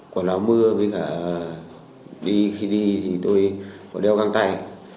quả láo mưa khi đi thì tôi có đeo căng tay